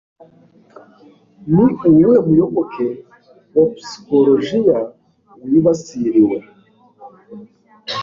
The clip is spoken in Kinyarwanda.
Ni uwuhe muyoboke wa psychologiya wibasiriwe?